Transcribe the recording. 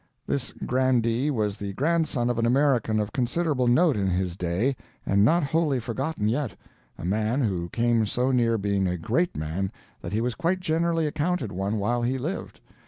This grandee was the grandson of an American of considerable note in his day, and not wholly forgotten yet a man who came so near being a great man that he was quite generally accounted one while he lived.